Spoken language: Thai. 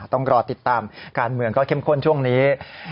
ต้องรอติดตามการเมืองก็เข้มข้นช่วงนี้